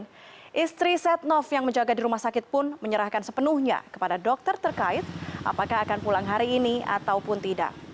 istri setnov yang menjaga di rumah sakit pun menyerahkan sepenuhnya kepada dokter terkait apakah akan pulang hari ini ataupun tidak